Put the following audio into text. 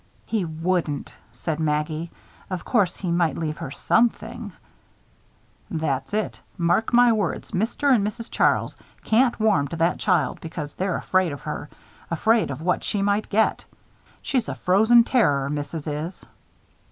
"He wouldn't," said Maggie. "Of course, he might leave her something." "That's it. Mark my words, Mr. and Mrs. Charles can't warm to that child because they're afraid of her; afraid of what she might get. She's a frozen terror, Missus is."